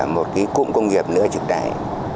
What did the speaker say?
một cái cụm công nghiệp nữa ở trực đại